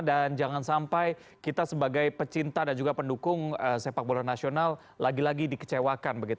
dan jangan sampai kita sebagai pecinta dan juga pendukung sepak bola nasional lagi lagi dikecewakan